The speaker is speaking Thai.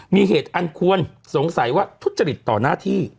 มีเหตุอันควรสงสัยว่าทุจริตต่อหน้าที่